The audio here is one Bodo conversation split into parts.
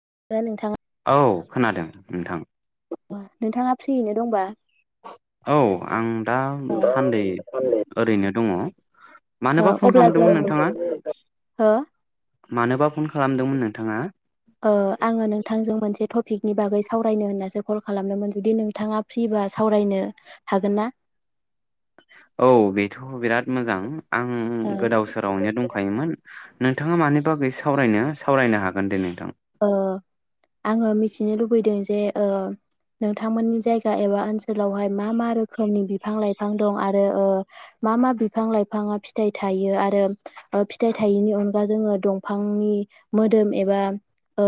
ओमफ्राय नोंथाङा औ खोनादों नोंथां। नोंथाङा फ्रियैनो दंबा? औ आं दा ओ सान्दै ओरैनो दङ। [inaudible] मानोबा फन अब्ला जों खालामदोंमोन नोंथाङा हो मानोबा फन खालामदोंमोन नों नोंथाङा? आङो नोंथांजों मोनसे टपिकनि बागै सावरायनो होननासो कल खालामदोंमोन जुदि नोंथाङा फ्रिबा सावरायनो हागोन ना? औ बेथ' बिराद मोजां आं गोदाव सोरावनो दंखायोमोन। नोंथाङा मानि बागै सावरायनो सावरायनो हागोन दे नोंथां। ओ आङो मिथिनो लुबैदों जे ओ नोंथांमोननि जायगा एबा ओनसोलावहाय मा मा रो खोमनि बिफां लाइफां दं आ रो ओ मा मा बिफां लाइफाङा फिथाइ थायो आरो फिथाइ थायैनि अनगा जोङो दंफांनि मोदोम एबा ओ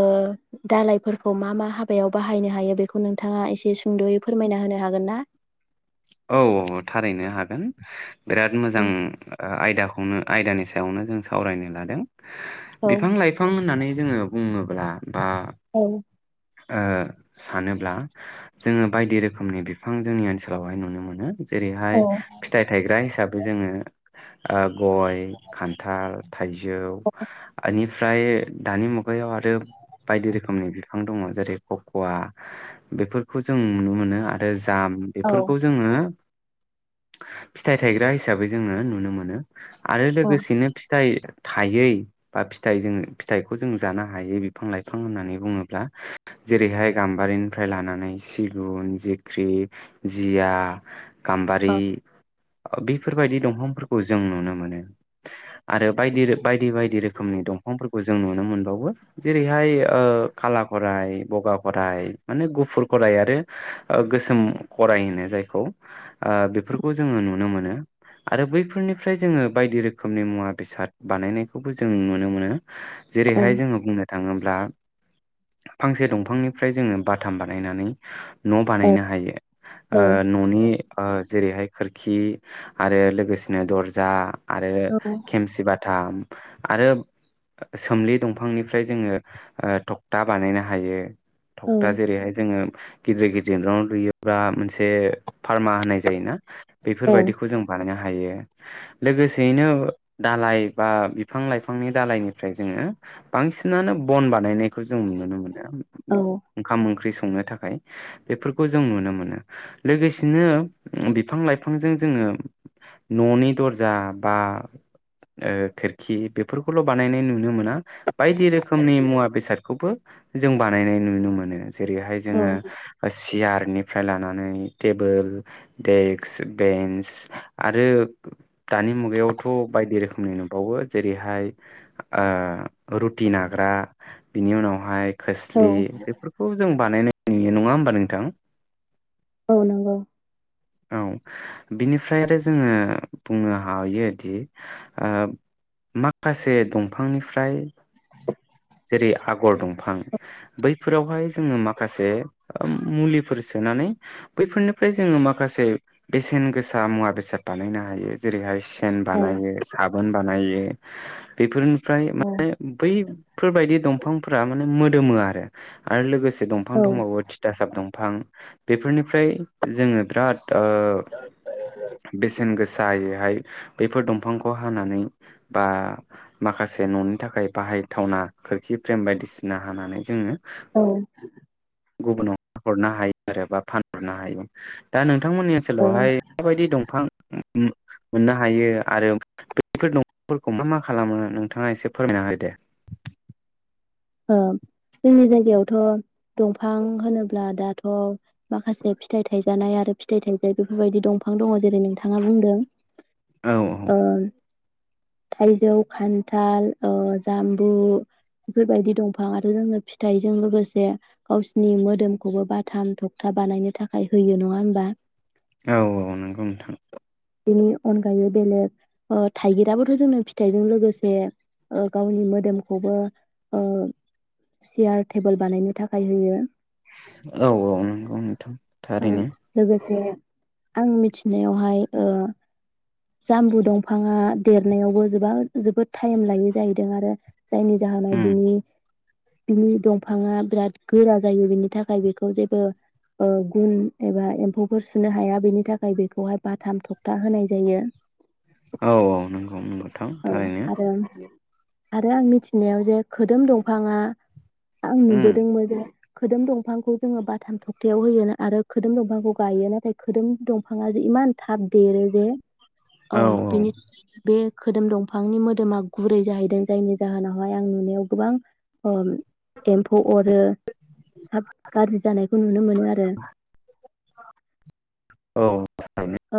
दालइफोरखौ मा मा हाबायाव बाहायनो हायो बेखौ नोंथाङा एसे सुंदयै फोरमायना होनो हागोन ना? औ औ थारैनो हागोन। बिराद औ मोजां आयदाखौनो आयदानि सायावनो जों सावरायनो लादों। औ बिफां लाइफां होननानै जोङो बुङोब्ला बा औ। ओ सानोब्ला जोङो बायदि रोखोमनि बिफां जोंनि ओनसोलाव हाय नुनो मोनो जेरैहाय औ फिथाइ थायग्रा हिसाबै जोङो आ गय, खान्थाल, थाइजौ [unintelligible] फ्राय दानि मु गायाव आरो बायदि रोखोमनि बि फां दङ जेरै ककवा बेफोरखौ जों नुनो मोनो आरो जा फोरखौ औ जोङो फिथाइ थायग्रा हिसाबै जोङो नुनो मोनो। आरो लोगोसेनो फिथाइ थायै बा फिथाइ जोङो फिथाइखौ जों जानो हायै बिफां लाइफां होननानै बुङोब्ला जेरैहाय गाम्बारिनिफ्राय लानानै सिगुन, जेख्रि जिया। औ गामबारि। बेफोरबायदि दंफांफोरखौ जों नुनो मोनो। आरो बायदि रो बायदि बायदि रोखोमनि दंफांफोरखौ जों जों नुनो मोनबावो जेरैहाय ओ खाला खराय बगा खराय माने गुफुर खराय आरो गोसोम खराय होनो‌ जायखौ ओ बेफोरखौ जोङो नुनो मोनो आरो बैफोरनिफ्राय जोङो बायदि रोखोमनि मुवा बेसाद बानायनायखौबो जों नुनो मोनो। औ जेरैहाय जोङो बुंनो थाङोब्ला फांसे दंफांनिफ्राय जोङो बाथाम बानायनानै न बानायनो हायो। ओ औ ननि ओ जेरैहाय खोरखि आरो लोगोसेनो दरजा आरो खेमसि बाथाम। आरो सोमलि दंफांनिफ्राय जोङो ओ थक्था बानायनो हायो। थकथा जेरैहाय जोङो गिदिर गिदिर न' लुयो। बा मोनसे फार्मा होनाय जायोना बेफोरबायदिखौ जों बानायनो हायो। लोगोसेयैनो दालाय बा बिफां लाइफांनि दालायनिफ्राय जोङो बांसिनानो बन बानायनाय खो जों नुनो मोनो ओ उ उ उ औ ओंखाम ओंख्रि सं - संनो थाखाय बेफोरखौ जो जों नुनो मोनो लोगोसेनो ओ बिफां लाइफांजों जोङो न'नि दरजा बा ओ खोरखि बेफोरखौल' बानायनाय नुनो मोना। बायदि रोखोमनि मुवा बेसादखौबो जों बानायनाय नुनो मोनो। जेरैहाय जोङो चियाथ निफ्राय लानानै टेबोल डेक्स, बेन्स आरो दानि मुगायावथ' बायदि रोखोमनि नुनोबावो जेरैहाय ओ रुटि नाग्रा बेनि उनावहाय औ खोस्लि बेफोरखौ जों बानाय नुयो नङा होमबा नोंथां? औ नंगौ। औ बिनिफ्राय आरो जोङो बुंनो हायोदि ओ माखासे दंफांनिफ्राय [inaudible] जेरै आगर दंफां बैफोरावहाय जोङो माखासे ओम मुलिफोर सोनानै बैफोरनिफ्राय जोङो माख खासे बेसेन गोसा मुवा बेसाद बानायनो हायो। जेरैहाय सेन औ बानायो साबोन बानायो। बेफोरनो फ्राय माने बैफोरबायदि दंफांफोरा माने मोद दोमो आरो, आरो लोगोसे दंफां औ दंबावो थिथासाब दंफां बेफोरनिफ्राय जोङो बिराद ओ बेसेन गोसा दायोहाय बैफोर दंफांखौ हानानै बा माखासे न'नि थाखाय बाहायथावना खोरखि फ्रेम बायदिसिना हानानै जोङो औ गुबुनाव हरनो हायो आरो बा फानहरनो हायो दा नों नोंथांमोननि ओ ओनसोलावहाय माबायदि दंफां ओम मोननो हायो आरो बैफोर दंफांफोरखौ मा मा खालामो नोंथाङा एसे फोरमायना होदे। ओ जोंनि जायगायावथ' दंफां होनोब्ला दाथ' माखासे फिथाइ थाइजानाय आरो फिथाइ थाइजायि जेरै नोंथांआ बुंदों औ औ ओ थाइजौ खान्थाल ओ जाम्बु। बेफोरबायदि दंफां आरो जोंनो फिथाइजों लोगोसे गावसिनि मोदोमखौबो बाथाम थखथा बानायनो थाखाय होयो नङा होनबा? औ औ नंगौ नोंथां। बिनि अनगायै बेलेग ओ थाइगिराबोथ जोंनो फिथाइजों लोगोसे गावनि मोदोमखौबो ओ सियार टेबोल बानायनो थाखाय होयो औ औ नंगौ नोंथां ओ थारैनो लोगोसे आं मिथिनायावहाय ओ जामबु दंफांङा देरनायावबो जोबा जोबोद टाइम लायो जाहैदों आरो जायनि जा उम बिनि बिनि दंफाङा बिराद गोरा जायो बिनि थाखाय बेखौ जेबो गुन एबा एम्फौफोर सुनो हाया बेनि थाखाय बेखौहाय बाथाम थखथा होनाय जायो औ औ नंगौ नंगौ थां औ थारैनो आरो आरो आं मिथिनायाव जे खोदोम दंफांङा आं उम नुबोदोंमोनजे खोदोम दंफांखौ जोङो बाथाम थखथायाव होयो आरो खोदोम दंफांखौ गायो नाथाय खोदोम दंफांङा जे इमान थाब देरो जे औ बिनि बे खोदोम दंफांनि मोदोमा गुरै जाहैदों जायनि जाहोनावहाय आं नुनायाव गोबां ओम एम्फौ अरो हाब गाज्रि जानायखौ नुनो मोनो आरो औ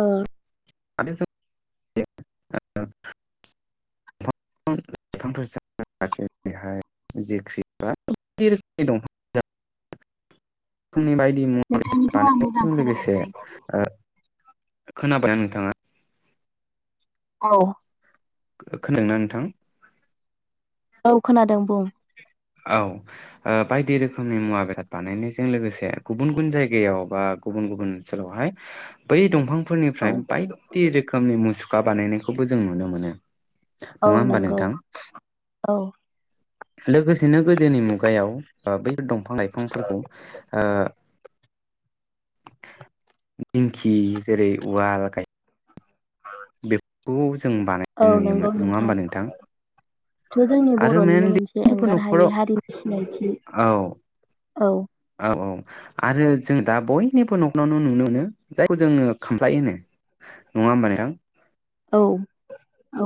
ओ [unintelligible] आंनि बायदि मुवर नोंथांनिखौ आं मोजां बानायनायजों लोगोसे खोनायासै खोनाबाय नोंथांङा औ खोनादोंना नोंथां औ खोनादों बुं औ बायदि रोखोमनि मुवा बेसाद बानायनायजों लोगोसे गुबुन गुबुन जायगायाव बा गुबुन गुबुन ओनसोलावहाय बै दंफां औ फोरनिफ्राय बायदि रोखोमनि मुसु खा बानायनायखौबो जों नुनो मोनो औ नंङा होमबा नंगौ नोंथां औ लोगोसेनो गोदोनि मुगायाव बैफोर दं बिफां लाइफांफोरखौ दिंखि जेरै उवाल गाय औ [unintelligible] औ नंगौ नुयोमोन नङा नोंथां होमबा जोंनि आरो बर'निनो मेनलि मोनसे बयनिबो एंगार हायि न'खराव हारिनि सिनायथि औ औ औ औ आरो जों दा बयनिबो न'खनावनो नुनो मोनो जायखौ जोंङो खामफ्लाय होनो नंङा होमबा नोंथां औ औ।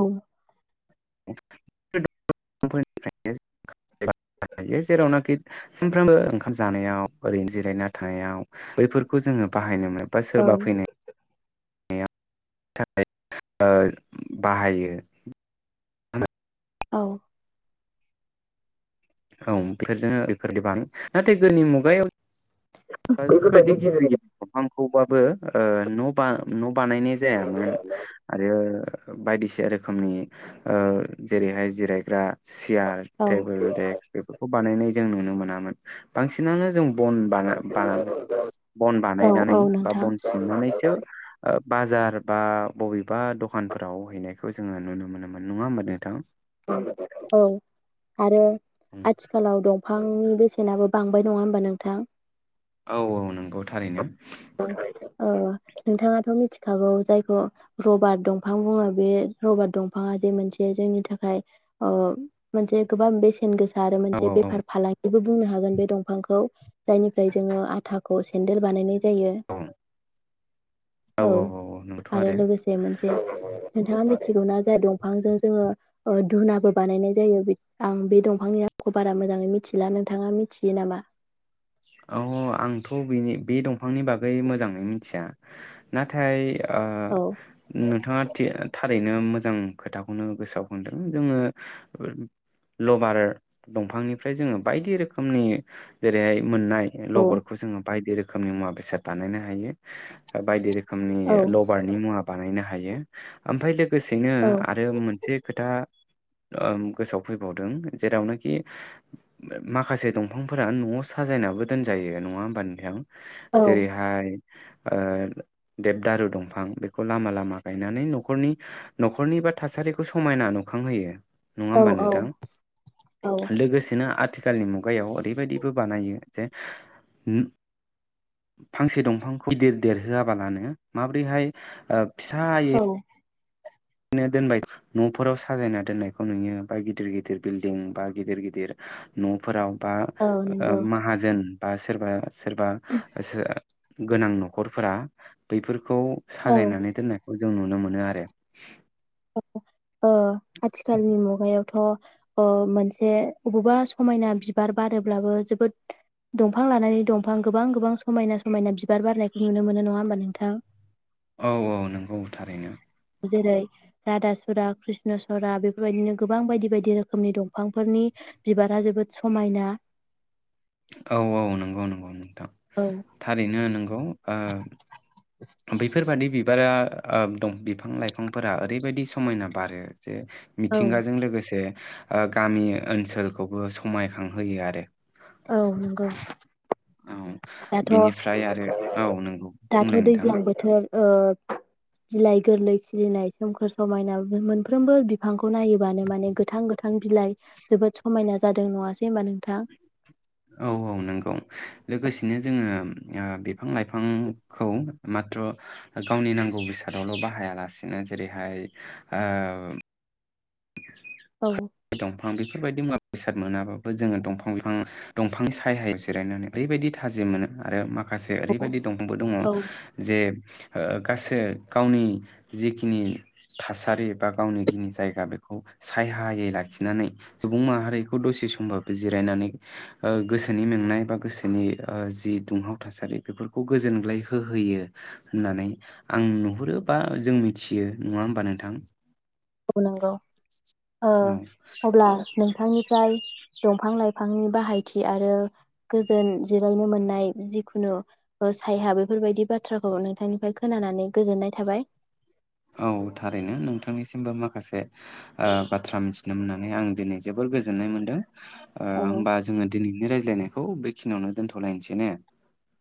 जेरावनाखि सानफ्रामबो ओंखाम जानायाव ओरैनो जिरायना थानायाव बेफोरखौ जोङो बाहायनो मोनो फा औ सोरबा फैनाय। थाखाय बाहायो। औ। औ बेफोरजोंनो बेफोरदि बानो नाथाय गोदनि मुगायाव। [unintelligible] खौ बाबो ओ न'-बां न'। बानायनाय जायामोन आरो। बायदिसिना रोखोमनि ओ जेरैहाय जिरायग्रा। सियार औ टेबोल देक्क बेफोरखौ। बानायनाय जों नुनो मोनामोन बांसिनानो जों। बन बाना। बन औ बानायनानै औ बा नोंथां बन सिनानै। बाजार बा बबेबा द'खानफोराव हैनायखौ जोङो नुनो मोनोमोन नङा होनोमा नोंथां। औ आरो। आथिखालाव दंफां। बेसेनाबो बांबाय नङा होनोमबा नोंथां। औ औ नंगौ थारैनो। औ नोंथाङाथ मिथिखागौ जायखौ रबारट दंफां बुङो बे रबारट दंफाङा जे मोनसे जोंनि थाखाय। मोनसे गोबां बेसेन गोसा। आरो औ मोनसे बेफार फालांगिबो। बुंनो हागोन बे दंफांखौ जायनिफाय जोंङो आथाखौ सेन्देल बानायनाय। जायो। औ औ आरो लोगोसे मोनसे नोंथाङा। थिगौ जाया दंफांजों जोङो। धुुनाबो बानायनाय जायो आं बे दंफांनि आखौ बारा मोजाङै मिथिला नोंथाङा मिथियो नामा। औ आंथ बेनि बे दंफांनि बागै मोजाङै मिथिया नाथाय। ओ औ नोंथाङा थि थारैनो। नो मोजां खोथाखौनो गोसोआव खदों जोङो लबार दंफांनिफ्राय जोङो बायदि रोखोमनि जेरैहाय। मोननाय औ लबारखौ जोङो बायदि रोखोम। खोमनि मुवा बेसाद बानायनो हायो। बायदि रोखोमनि औ लबारनि मुवा बानायनो हा। हायो ओमफ्राय लो। गोसेनो औ आरो मोनसे खोथा। ओम गोसोआव फैबावदों जेरावनोखि [unintelligible] माखासे दंफांफोरा न'आव स साजायनाबो दोनजायो नङा होमबा नोंथां। औ जेरैहाय ओ देब दारु दंफां बेखौ लामा लामा गायनानै नखरनि नखरनि बा थासारिखौ समायना नुखांहोयो नङा औ होमबा नोंथां औ लोगोसेनो आथ आथिखालनि मुगायाव ओरैबायदिबो बानायो जे उम फांसे दंफांख गिदिर देरहोया बालानो माब्रैहाय फिसायो औ नो दोनबाय नफोराव साजायना दोननायखौ नुयो बा गिदिर गिदिर बिल्डिं बा गिदिर गिदिर नफोराव बा औ ओ नंगौ माहाजोन बा सोरबा सोरबा सो गोनां नखरफोरा बैफोर खौ औ साजायनानै दोननायखौ जों नुनो मोनो आरो ओ आथिखालनि मुगायावथ अ मोनसे बबावबा समायना बिबार बारोब्लाबो जोबोद दंफां लानानै दंफां गोबां गोबां समायना समायना बिबार बारनायखौ नुनो मोनो नङा होमबा नोंथां औ औ नंगौ थारैनो जेरै रादा सुरा कृष्ण सरा बेफोरबायदिनो गोबां बायदि बायदि रोखोमनि दंफांफोरनि बिबारा जोबोद समायना औ औ नंगौ नंगौ नोंथां औ थारैनो नंगौ ओ बेफोरबादि बिबारा ओब दं बिफां लाइफांफोरा ओरैबायदि समायना बारो जे औ मिथिंगाजों लोगोसे ओ गामि ओनसोलखौबो समायखांहोयो आरो औ नंगौ औ दाथ' बेनिफ्राय आरो औ नोंगौ दाथ' बुंलाय नोंथां दैज्लां बोथोर ओ बिलाइ गोरलै खिरिनाय सोमखोर समायना मोनफ्रोमबो बिफांखौ नायोबानो माने गोथां गोथां बिलाइ जोबोद समायना जादों नङासै होबा नोंथां? औ औ नंगौ लोगोसेनो जोङो ओ बिफां लाइफांखौ माथ्र गावनि नांगौ बेसादावल बाहायालासिनो जेरैहाय ओ औ [unintelligible] दंफां बेफोरबायदि मुवा बेसाद मोनाबाबो जोङो दंफां फां दंफांनि सायहायाव जिरायनानै ओरैबायदि थाजि मोनो आरो माख माखासे औ ओरैबायदि दंफांबो दङ जे ओ गासो गावनि जिखिनि थासारि बा गावनिखिनि जायगा बे खौ सायहायै लाखिनानै सुबुं माहारिखौ दसे समबाबो जिरायनानै ओ गोसोनि मेंनाय बा गोसोनि ओ जि दुंहाव थासारि बेफोरखौ गोजोनग्लाय होहोयो होननानै आं नुहुरो बा जों मिथियो नङा होमबा नोंथां? औ नंगौ ओ औ अब्ला नोंथांनिफ्राय दंफां लाइफांनि बाहायथि आरो गोजोन जिरायनो मोननाय जिखुनु सायहा बेफोरबायदि बाथ्राखौ नोंथांनिफ्राय खोनानानै गोजोननाय थाबाय। औ थारैनो नोंथांनिसिमबो माखासे ओ बाथ्रा मिथिनो मोननानै आं दिनै जोबोर गोजोननाय मोनदों। ओ औ होमबा जोङो दिनैनि रायज्लायनाय खौ बेखिनियावनो दोनथ'लायनोसै ने?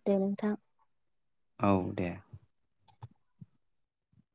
दे नोंथां। औ दे।